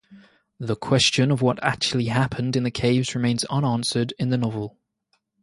The question of what actually happened in the caves remains unanswered in the novel.